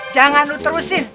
jangan lo terusin